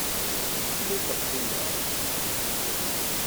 Mmuteɣ si laẓ.